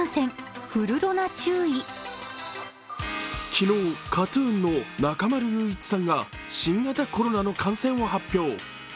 昨日、ＫＡＴ−ＴＵＮの中丸雄一さんが新型コロナの感染を発表。